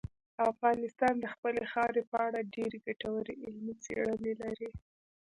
افغانستان د خپلې خاورې په اړه ډېرې ګټورې علمي څېړنې لري.